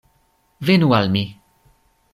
Venu al mi!